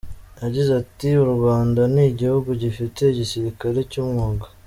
Yagize ati “U Rwanda ni igihugu gifite igisirikare cy’umwuga.